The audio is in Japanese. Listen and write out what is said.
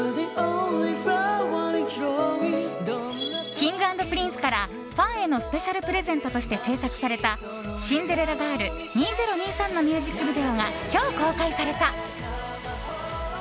Ｋｉｎｇ＆Ｐｒｉｎｃｅからファンへのスペシャルプレゼントとして製作された「シンデレラガール２０２３」のミュージックビデオが今日公開された。